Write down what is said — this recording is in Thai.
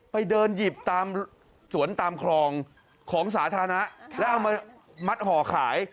ไปเดินหยิบตามสวนตามคลองของสาธารณะแล้วเอามามัดห่อขาย